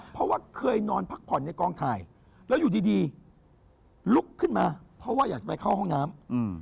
เพราะว่าเคยนอนพักผ่อนในกองถ่ายแล้วอยู่ดีลุกขึ้นมาเพราะว่าอยากจะไปเข้าห้องน้ำ